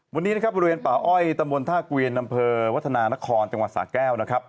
วันนี้บริเวณป่าอ้อยตำรวจท่ากวีรนำเภอวัฒนานครจังหวัดศาสตร์แก้ว